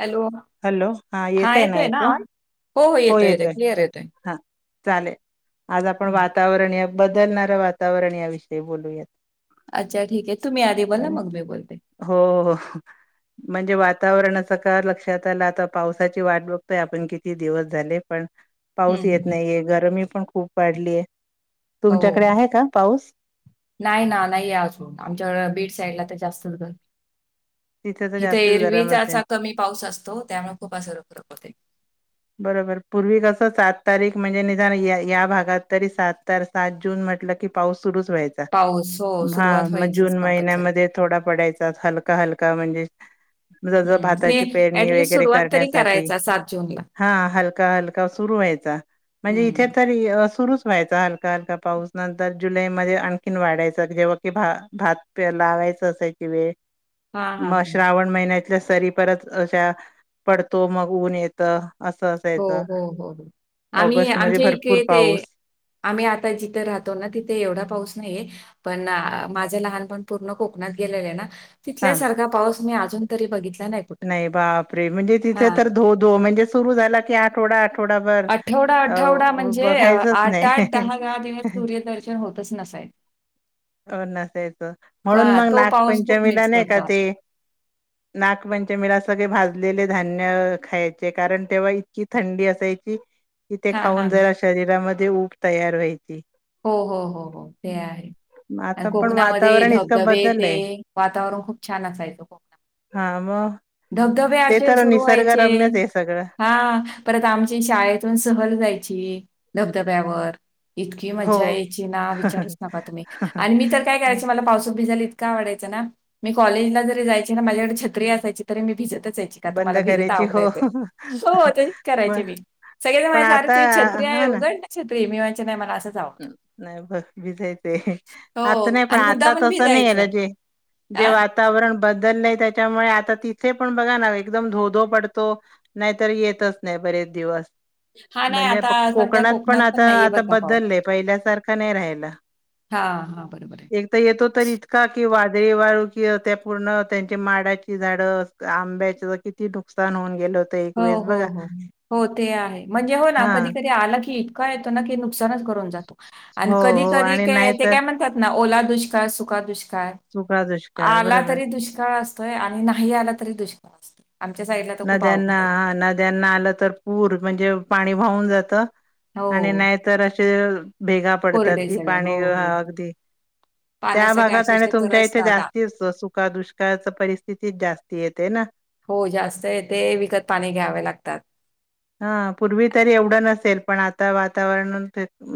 Hello. Hello हा येतय ना ऐको हो येतोय, येतोय. येतय क्लिअर येतोय. हा चालेल. आज आपण हं. वातावरण या बदलणारं वातावरण याविषयी बोलूयात- अच्छा ठीक आहे तुम्ही आधी बला ना चालेल मग मी बोलते. हो म्हणजे वातावरणाच का लक्षात त्याला आता पावसाची वाट बघतोय आपण किती दिवस झाले पण पाऊस हं. येत नाहीये गरमी पण खूप वाढलीय हो. तुमच्याकडे आहे का पाऊस नाही ना नाहीये अजून आमच्या बीड साईडला तर जास्तर. तिथे तर इथे जास्तीच गरम असेल एरवीचाचा कमी पाऊस असतो त्यामुळे खूप सार फरक होते. बरोबर पूर्वी कस सात तारीख म्हणजे निदान या भागात तरी सात तार. सात जून म्हटलं की पाऊस सुरुच व्हायचा पाऊस हो, हा सुरुवात मग व्हायचीच जून कंपल्सरी. महिन्यामध्ये. थोडा पडायचा हलका हलका म्हणजे. ज ज हं. भाताची पेरणी वगैरे करण्यासाठी सात जूनला हा हलका हलका सुरू व्हायचा म्हणजे हं. इथे, तरी सुरूच व्हायचा हलका हलका पाऊस. नंतर जुलैमध्ये आणखीन वाढायचा जेव्हा की भात फेर लावायचं असायची वेळ हां, हां, मग हां. श्रावण महिन्यातल्या सरी परत अशा पडतो. मग ऊन येतं. असं अस हो हो हो हो आम्ही मध्ये आमचे भरपूर इथ ते पाऊस आम्ही आता जिथे राहतो ना. तिथे एवढा पाऊस नाहीये. पण माझं लहानपण पूर्ण कोकणात गेलेले आहे ना. हा तिथल्यासारखा पाऊस मी अजून तरी बघितला नाही. कुठं नाही. बापरे, म्हणजे हा तिथे तर धो धो म्हणजे सुरु झाला की आठवडा आठ वडा भर आठवडा अ आठवडा म्हणजे अ, बघायचच आठ नाही. आठ दहा दहा दिवस सूर्यदर्शन होतच नसायचं हो नसायचं म्हणून का- मग तो पाऊस खूप नागपंचमीला मिस नाही का करतो आपण. ते. नागपंच मिला सगळे भाजलेले धान्य खायचे. कारण, तेव्हा इतकी थंडी असायची. ती ते हा हा खाऊन जरा शरीरामध्ये ऊब तयार व्हायची. हो हो हो हो ते आहे. म आता आणि पण कोकणामध्ये वातावरण इतकं धबधबे ते बदललंय वातावरण खूप छान असायच हो. हा मगं. धबधबे ते तर निसर्गरम्यच आहे सगळं. हा परत आमची शाळेतून सहल जायची धबधब्यावर. हो. मजा यायची ना विचारूच नका तुम्ही आणि मी तर, काय करायचं मला पावसात भिजायला इतक आवडायचं ना. मी कॉलेजला जरी जायची ना. माझ्याकडे छत्री असायची तरी मी भिजतच यायची. बंद मला भिजत करायची हो आवडायचं सो ते करायचे पण मी. सगळे जण पण म्हणायचे अरे आता तुझी छत्री आहे उघड ना छत्री मी म्हणायचे नाही मला असंच आवडतं." नाही ब भिजयचंय आता हो नाही पण आणि आता मुद्दामून तसं नाही आहे ना भिजायचं. जे जे हां, वातावरण बदललं त्याच्यामुळे, आता तिथे पण बघा ना एकदम धोधो पडतो. नाहीतर येतच नाही बरेच दिवस. हां, नाही म्हणजे आता सध्या कोकणात पण आता नाहीये आता बरं का पाऊस. बदलले. पहिल्या सारखा नाही राहिला. हां, हां, बरोबर आहे. एक येतो तर इतका कि वादळी वाळू कि त्या पूर्ण त्यांचे माडाची झाडं आंब्याच किती नुकसान होऊन गेल होत. हो हो हो हो ते आहे म्हणजे हो ना हा कधी कधी आला की इतका येतो ना की, नुक सानच करून जातो. आणि हो कधी हो कधी आणि काय नाही ते तर काय म्हणतात ना ओला दुष्काळ, सुखा दुष्काळ सुका दुष्काळ आला बरोबर तरी दुष्काळ असतोय. आणि नाही आला तरी दुष्काळ असतोय. आमच्या साईडला तर खूप नद्यांना अवघड आहे. हा नद्यांना आलं तर पूर म्हणजे पाणी वाहून जात. आणि हो, नाहीतर असे भेगा पडतात कोरडे कि सगळे. हो, पाणी हो. अगदी त्या पाण्यासाठी भागात आणि अक्षरशः तुमच्या इथे तरसतात. जास्ती सुख दुष्काळाच परिस्थितीच जास्ती येते ना. हो जास्त येते विकत पाणी घ्यावे लागतात. हा पूर्वी तरी एवढं नसेल. पण आता वातावरण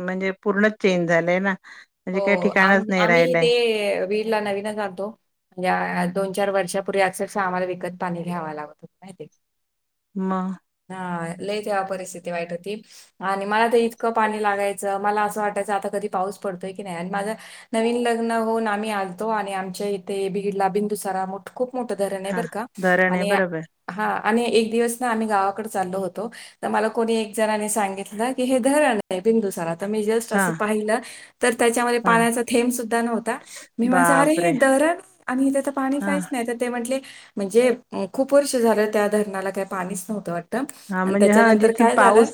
म्हणजे पूर्णच चेंज झालंय ना. हो म्हणजे काही आम ठिकाणच नाही आम्ही राहिलंय ते वि ला नवीनच आणतो. म्हणजे दोन चार वर्षापूर्वी सामान अक्षरशः आम्हाला विकत पाणी घ्याव लागत. माहिती म हा लय तेव्हा परिस्थिती वाईट होती. आणि मला तर इतक पाणी लागायच मला अस वाटायच आता कधी पाऊस पडतोय की नाही आणि माझा नवीन लग्न होऊन आम्ही आलतो आणि आमच्या इथे बिडला बिंदुसारा मोठ खूप मोठ धरण आहे हा बर का धरण आहे आणि बरोबर हा आणि एक दिवस ना आम्ही गावाकडे चालो होतो. तर मला कोणी एक जणनी सांगितलं की हे धरण आहे बिंदुसारा तर मी जस्ट हा अस पाहिल तर त्याच्यामध्ये हा पाण्याचा थेंब सुद्धा नव्हता. मी माझा अरे हे बापरे धरण आणि इथ तर पाणी हा काहीच नाही. ते म्हट म्हणजे खूप वर्ष झाल त्या धरणाला त्यात पाणीच नव्हत वा हा म्हणजे हा जिथून पाऊस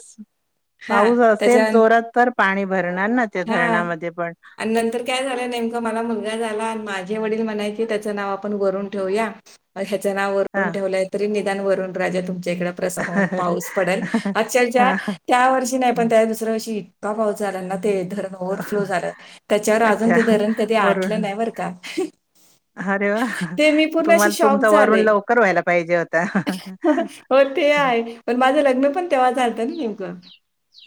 हां, पाऊस असेल त्याच्यानंतर जोरात तर पाणी भरणार ना ते हां. धरणामध्ये पण, आणि नंतर काय झाल नेमक मला मुलगा झाला आणि माझे वडील म्हणायचे त्याच नाव आपण वरून ठेवूया. ग ह्याच नाव हा वरून ठेवलय तरी निदान वरून राजा तुमच्या इकड प्रसन्न होऊन पाऊस पडल. अक्षरक्ष हा त्या वर्षी नाही पण त्या दुसऱ्या वर्षी- इतका पाऊस झाला ना ते धरण ओ्हरफ्लो झाल त्याच्यावर अजून अच्छा ते धरण कधी आटल वरून नाही बर का. अरे वा! ते मी पूर्ण अशी तुम्हाला शॉक तुमचा वरुून झाले. लवकर व्हायला पाहिजे होता. हो ते आहे, पण माझ लग्न पण तेव्हा झालत ना नेमक.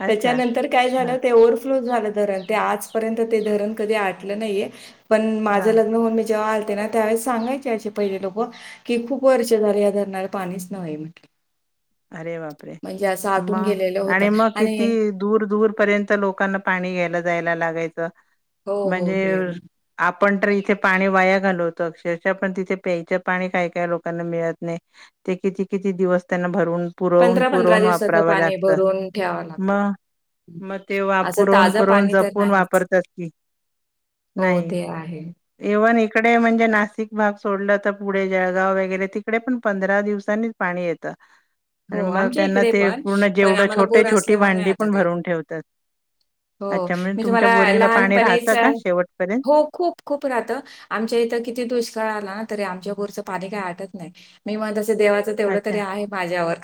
अच्छा त्याच्यानंतर काय झाल हा ते ओ्हफ्लो झाल धरण. ते आजपर्यंत ते धरण कधी आटल नाहीये पण माझ हा लग्न म्हून मी जेव्हा आल ते ना त्यावेळेस सांगायचे असे पहिले लोक की खूप वर्ष झाले या धरणा ला पाणीच नव् म्हट अरे बापरे! आटून मग गेलेलं आणि होतं मग आणि किती दूर दूर पर्यंत लोकांना पाणी घ्यायला जायला लागायच हो हो म्हणजे ते आपण ड्रिल चे पाणी वाया घालवतो अक्षरशः पण तिथे प्यायच पाणी काही काय लोकांना मिळत नाही. ते किती किती दिवस त्यांना भरून पुरवून पंधरा पंधरा पुरवून दिवसाचं वापराव पाणी लागत भरून ठेवावं लागतं. मग मग ते वा असं पुरवून ताजं पुरवून पाणी तर जपून नाहीच वापरतात क हो ते आहे. इव्हन इकडे म्हणजे नाशिक भाग सोडला तर पुढे जळगाव वगैरे तिकडे पण पंधरा दिवसांनी पाणी येत. हो आमच्या इकडे पण, पण जेवढं आम्हाला छोटे बोर छोटी असल्यामुळे भांडी आता पण काय नाही. भरून ठेवतात हो अच्छा म्हणजे मी तुमच्या तुम्हाला बोरिंगला पाणी लहानपणीच राहतं का शेवटपर्यंत हो खूप. खूप राहत आमच्या इथ किती दुष्काळ आला ना तरी आमच्या बोरच पाणी काही आटत नाही. मी मग तस देवाच तेवढ अच्छा तरी आहे माझ्यावर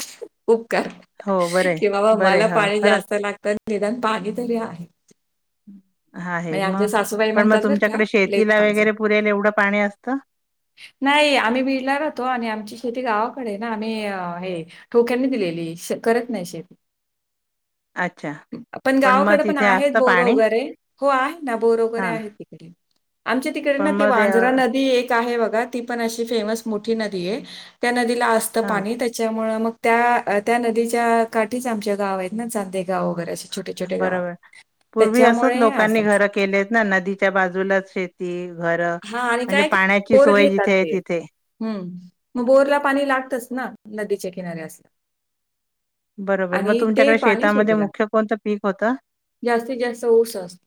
उपकार हो बरं आहे कि बाबा बरं मला आहे हो पाणी खरंच जास्त लागत निदान पाणी तरी आहे. [inaudible] हा आहे म्हणजे मग आमच्या सासूबाई पण मग म्हणतात बरं का तुमच्याकडे लेच शेतीला पाहिजे वगैरे पुरेल एवढ पाणी असत. नाही आम्ही बीडला राहतो आणि आमची शेती गावाकडे ना आम्ही हे ठोक्यांनी दिलेली श करत नाही शेती. अच्छा. पण मग गावाकडे तिथे आहेत असत बोर पाणी. वगैरे हो आहे ना बोर वैगरे हां आहे तिकडे. आमच्या तिकडे ना पण ती मग ते अ, वांजरा नदी एक आहे बगा, ती पण अशी फेमस मोठी नदी आहे त्या नदीला असत हां पाणी. त्याच्यामुळे मग त्या त्या नदीच्या काठीच आमच्या गाव आहेत ना चांदे गाव वगैरे असे. छोटे छोटे गाव आहेत. बरोबर, पूर्वी असंच त्याच्यामुळे लोकांनी असं घरं केलेत ना नदीच्या बाजूलाच शेत ती घर हां आणि म्हणजे पाण्याची सोय जिथे आहे तिथे. हम्म, मग बोरला पाणी लागतच ना नदीच्या किनाऱ्या अस. बरोबर, मग ते तुमच्याकडे पाणी शेतामध्ये शेतीला मुख्य कोणतं पीक होतं? जास्तीत जास्त ऊस असतो.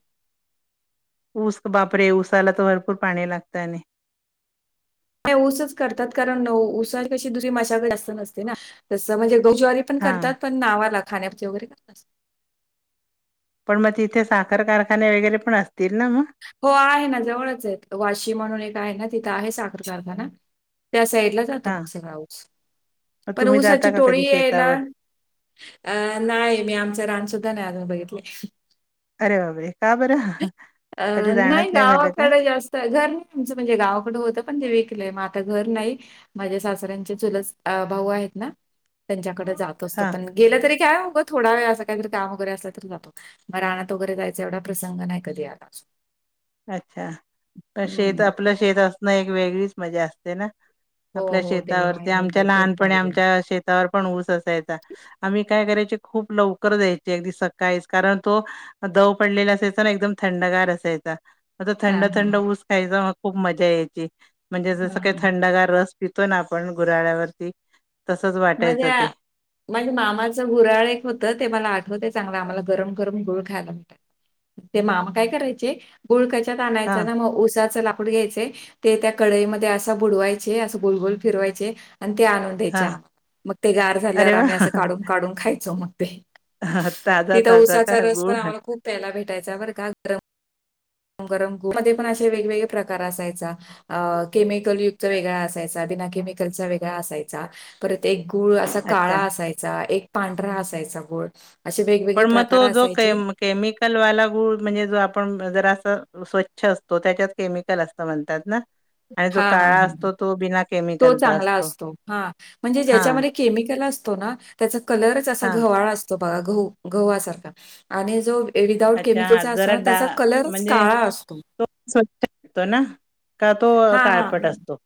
ऊस, बापरे ऊसाला तर भरपूर पाणी लागतं आणि ऊसच करतात कारण ऊसा शीवाय दुसरी माशागद जास्त नसते ना तस म्हणजे गहु, ज्वारी पण हां करतात पण नावाला खाण्या पुरती वगैरे करतात. पण मग तिथे साखर कारखाने वगैरे पण असतील ना मग? हो आहे ना जवळच आहेत वाशी म्हणून एक आहे ना तिथं आहे साखर कारखाना. त्या साईडला जातो हां मग सगळा ऊस मग पण तुम्ही ऊसाची जाता का टोळी कधी यायला शेतावर अं नाही मी आमच रानसुद्धा नाही अजून बघितले. अरे बापरे का बर? अ नाही गावाकडे जास्त घर नाही आमचं म्हणजे गावाकडे होतं पण ते विकलंय मग आता घर नाही माझ्या सासऱ्यांचे चुल भाऊ आहेत ना त्यांच्याकडे जात असतो हा पण गेलं तरी काय होग थोडा वेळ असं काही काम वगैरे असलं तर जातो मग आत वगैरे जायचं एवढा प्रसंग नाही कधी आला. अच्छा शेत हं. आपलं शेत असणं एक वेगळीच मजा अस ते ना हो, आपल्या हो. तेवढं शेतावरती आहे बरं आमच्या का. तेच लहानपणी पाहिजे. आमच्या शेतावर पण ऊस असायचा. आम्ही काय करायचे खूप लवकर जायचे अगदी सकाळीच कारण तो दव पडलेला असायचा ना एकदम थंडगार असायचा. आता थंड, हां, हां. थंड ऊस खायचा खूप मजा यायची म्हणजे जसं हां, काही हां. थंडगार रस पितो ना आपण गुऱ्हाळ्यावरती मजा माझे मामाचं घुराळ एक होतं ते मला आठवते चांगलं आम्हाला गरम, गरम गुळ खायला भेटायचं. ते मामा काय करायचे गुळकाच्यात आणायच हा ना मग उसाच ला गुळ घ्यायचे ते त्या कडईमध्ये असं बुडवायचे असा गोलगोल फिरवायचे आणि ते आणुन ते हा च्या मग ते गार झाल्यावर अरे वा आम्ही असं काढून, काढून खायचो मग ते ताजा तिथं ताजा का ऊसाचा रस पण गुळ आम्हाला खूप प्यायला भेटायचा बर का गरम गरम गुळ मध्ये पण असे वेगवेगळे प्रकार असायचा अ केमिकलयुक्त वेगळा असायचा बिनाकेमिकलचा वेगळा असायचा परत एक गूळ असा अच्छा काळा असायचा एक पांढरा असायचा गूळ असे वेगवेगळे प्रकार असायचे. केमिकल वाला गूळ म्हणजे जो आपण जरा असं स्वच्छ असतो त्याच्यात केमिकल असं म्हणतात ना? आणि जो हां, हां, काळा हां. असतो तो बिना तो केमिकलचा चांगला असतो हा. म्हणजे हां ज्याच्यामध्ये केमिकल असतो ना त्याचा कलरच असा हां घव्हाळ अस तो बघा गहु गव्हा सारखा आणि जो ते विदाऊट अच्छा हां केमिकलचा असतो जरा ना डा त्याचा कलरच म्हणजे काळा असतो. तो स्वच्छ असतो ना? का तो हा हा काळपट हा असतो?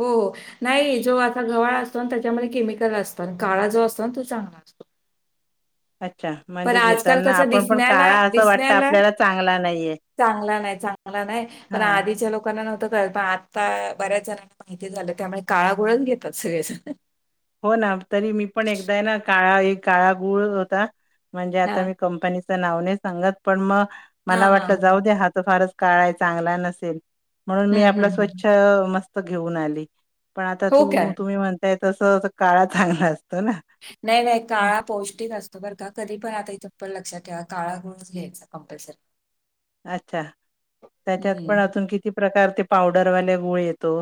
हो. नाही जो आता गव्हाळा असतो ना त्याच्यामध्ये केमिकल असतं काळा जो असतो ना तो चांगला असतो. अच्छा पण म्हणजे आजकाल घेताना कसं आपण पण दिसण्याला काळा असं वाटत दिसण्याला आपल्याला चांगला नाहीये. चांगला नाही, चांगला नाही पण हां आधीच्या लोकांना नव्हतं कळत आता बऱ्याच जणांना माहिती झालं त्यामुळे काळा गोळच घेतात सगळे जण. हो ना तरी मी पण एकदा आहे ना काळा एक काळा गूळ होता म्हणजे आता हां. मी कंपनीच नाव नाही सांंगत पण म हां, मला वाटल हां. जाउदे हा तर फारच काळा चांगला नसेल म्हणून मी हं, आपला हं, हं. स्वच्छ मस्त घेऊन आली पण आता हो का? तू तुम्ही म्हणताय तस काळा चांगला असतो ना नाही नाही हं, काळा पौष्टिक असतो बरं का कधी पण आता इथुन पुढे लक्षात ठेवा काळा गुळच घ्यायचा कंपलसरी [unintelligible] अच्छा त्याच्यात पण हं. अजून किती प्रकार ते पावडरवाले गुळ येतो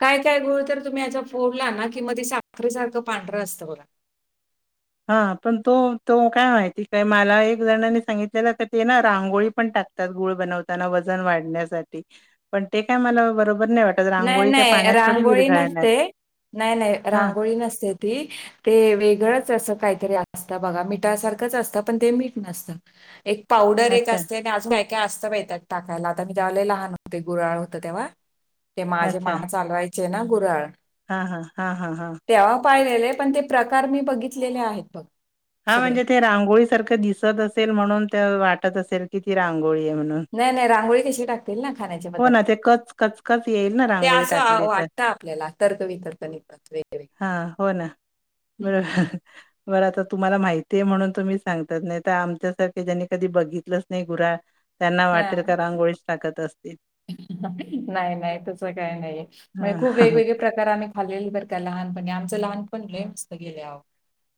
काय काय गुळ तर तुम्ही याचा फोडला ना की मधी साखरी सारखं पांढरं असतं बघा हा पण तो तो काय माहिती काय मला एक जणानी सांगितलेलं तर ते ना रांगोळी पण टाक तर गुळ बनवताना वजन वाढण्यासाठी पण ते काय मला बरोबर नाही वाटत नाही, रांगोळी काय नाही पाण्यात थोडी रांगोळी विरघळणार. नसते नाही, नाही हां, रांगोळी नसते ती ते वेगळंच असं काहीतरी असतं बघा मिठासारखंच असतं पण ते मीठ नसतं एक पावडर एक अच्छा, असते आणि अजून काय, काय असतं बाई त्यात टाकायला आता मी तेव्हा लहान होते गुऱ्हाळ होत तेव्हा ते माझे मामा चालवायचे ना गुऱ्हाळ हा, हा, हा, हा, हा तेव्हा पाहिलेले पण ते प्रकार मी बघितलेले आहेत बघ हा सगळे. म्हणजे ते रांगोळी सारखं दिसत असेल म्हणून ते वाटत असेल की ती रांगोळी आहे म्हणून नाही, नाही रांगोळी कशी टाकतील ना खाण्याच्या हो ना, पदार्थात ते कच कचकच येईल ना ते रांगोळी आसं टाकली वाट तर. त आपल्याला तर्कवितर्क निघतात वेगवेगळे हा हो ना बरोबर मला तर तुम्हाला माहितीये आहे म्हणून तुम्ही सांगतात नाही तर आमच्यासारखे ज्यांनी कधी बघितलंच नाही गुराळ त्यांना वाटल हां. का रांगोळीच टाकत असतील नाही, नाही तस काय नाही म्हणजे खूप हा, वेगवेगळे प्रकाराने खाल्लेलं बरं काय लहानपणी आमचं लहानपण लय मस्त गेलय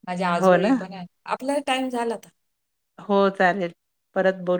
माझ्या आजोळी पण आहे ना आपला टाइम झाला ताई हो चालेल परत बोलू